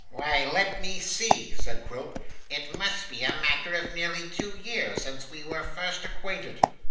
'Why, let me see,' said Quilp. 'It must be a matter of nearly two years since we were first acquainted.